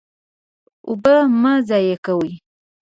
اوبه مه ضایع کوئ.